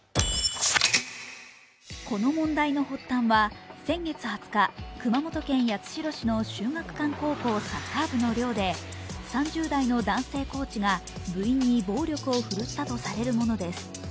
この問題の発端は先月２０日熊本県八代市の秀岳館高校サッカー部の寮で３０代の男性コーチが部員に暴力を振るったとされるものです。